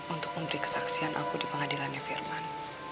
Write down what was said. untuk memberi kesaksian aku di pengadilannya firman